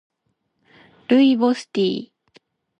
ルイボスティー